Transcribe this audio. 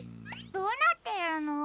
どうなってるの？